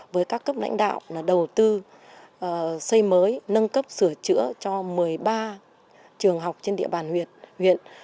với các cấp lãnh đạo đầu tư xây mới nâng cấp sửa chữa cho một mươi ba trường học trên địa bàn huyện huyện